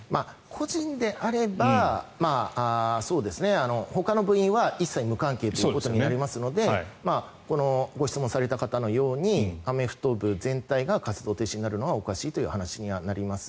個人であればほかの部員は一切無関係ということになりますのでこのご質問された方のようにアメフト部全体が活動停止になるのはおかしいという話にはなります。